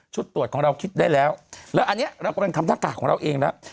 ชุดตรวจของเราคิดได้แล้วแล้วอันเนี้ยเราก็เป็นคำตั้งข่าวของเราเองแล้ว